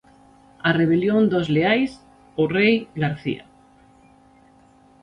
'A rebelión dos leais ao Rei García'.